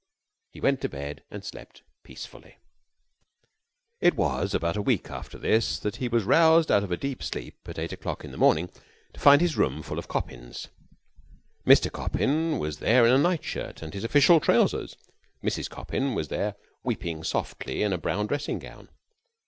He went to bed, and slept peacefully. It was about a week after this that he was roused out of a deep sleep at eight o'clock in the morning to find his room full of Coppins. Mr. Coppin was there in a nightshirt and his official trousers. Mrs. Coppin was there, weeping softly in a brown dressing gown.